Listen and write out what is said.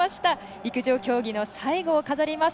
陸上競技の最後を飾ります。